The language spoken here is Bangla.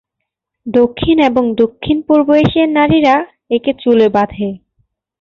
দক্ষিণ এবং দক্ষিণ-পূর্ব এশিয়ার নারীরা একে চুলে বাঁধে।